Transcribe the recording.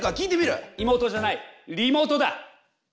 いもうとじゃないリモートだ！